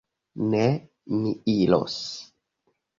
Ne; mi iros.